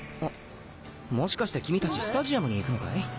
もしかして君たちスタジアムに行くのかい？